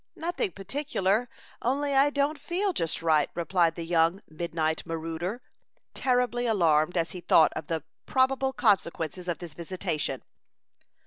"Nothing particular; only I don't feel just right," replied the young midnight marauder, terribly alarmed as he thought of the probable consequences of this visitation.